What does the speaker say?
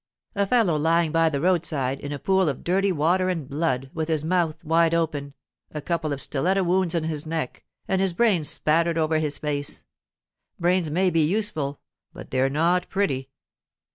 'A fellow lying by the roadside, in a pool of dirty water and blood, with his mouth wide open, a couple of stiletto wounds in his neck, and his brains spattered over his face—brains may be useful, but they're not pretty.